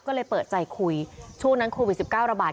ก็เลยเปิดใจคุยช่วงนั้นโควิด๑๙ระบาด